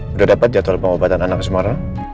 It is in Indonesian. sudah dapat jadwal pengobatan anak semua no